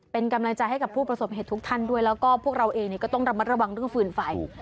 เป็นกำลังใจให้กับผู้ประสบเหตุทุกท่านด้วยแล้วก็พวกเราเองก็ต้องระมัดระวังเรื่องฟืนไฟ